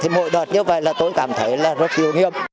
mỗi đợt như vậy tôi cảm thấy rất thiếu nghiệm